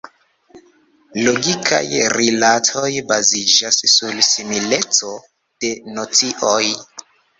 Logikaj rilatoj baziĝas sur simileco de nocioj.